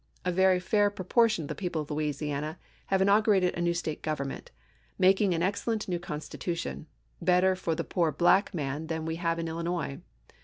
A very fair proportion of the people of Louisiana have in augurated a new State government, making an excellent new constitution — better for the poor black man than we have in Illinois.